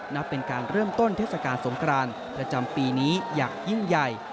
นับเป็นการเริ่มต้นเทศกาลสงครานประจำปีนี้อย่างยิ่งใหญ่